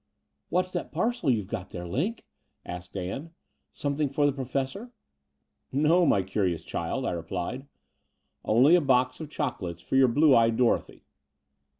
''What's that parcel you've got there, Line?" asked Ann. "Something for the Professor?" No, my curious child," I replied, "only a box of chocolates for your blue eyed Dorothy.